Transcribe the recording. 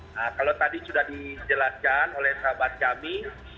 nah kalau tadi sudah dijelaskan oleh sahabat kami